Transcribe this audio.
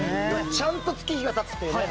ちゃんと月日が経つっていうね。